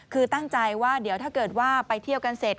คือตั้งใจว่าเดี๋ยวถ้าเกิดว่าไปเที่ยวกันเสร็จ